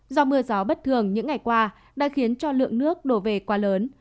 do mưa gió bất thường những ngày qua đã khiến cho lượng nước đổ về quá lớn